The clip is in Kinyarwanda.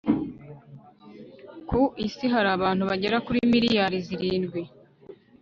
ku isi hari abantu bagera kuri miliyari zirindwi